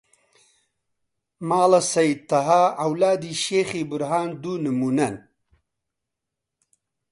ماڵە سەید تەها، عەولادی شێخی بورهان دوو نموونەن